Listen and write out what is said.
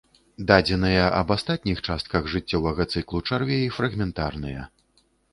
Дадзеныя аб астатніх частках жыццёвага цыклу чарвей фрагментарныя.